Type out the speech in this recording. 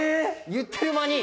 言ってる間に！